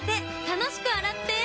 楽しく洗っ手！